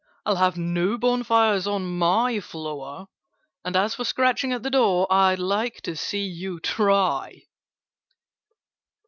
I'll have no bonfires on my floor— And, as for scratching at the door, I'd like to see you try!"